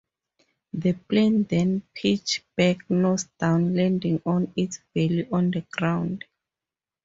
The plane then pitched back nose-down landing on its belly on the ground.